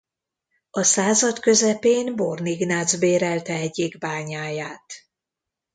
A század közepén Born Ignác bérelte egyik bányáját.